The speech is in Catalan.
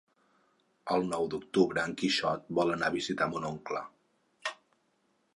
El nou d'octubre en Quixot vol anar a visitar mon oncle.